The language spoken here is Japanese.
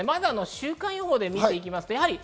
週間予報で見ていきます。